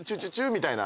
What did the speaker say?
みたいな。